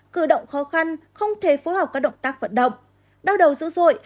cử động khó khăn không thể phối hợp các động tác vận động đau đầu dữ dội